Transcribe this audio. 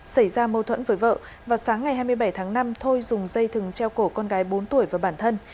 xảy ra mâu thuẫn với vợ vào sáng ngày hai mươi bảy tháng năm thôi dùng dây thừng treo cổ con gái bốn tuổi và bản thân